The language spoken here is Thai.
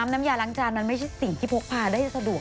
น้ำยาล้างจานมันไม่ใช่สิ่งที่พกพาได้สะดวก